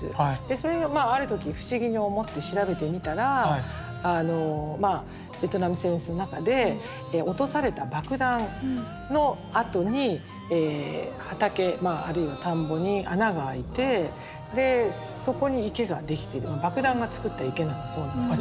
それである時不思議に思って調べてみたらベトナム戦争の中で落とされた爆弾の跡に畑あるいは田んぼに穴が開いてでそこに池が出来てるの爆弾がつくった池なんだそうなんですよ。